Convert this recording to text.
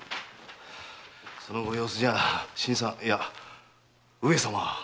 そのご様子じゃあ新さんいや上様は？